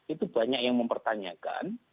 itu banyak yang mempertanyakan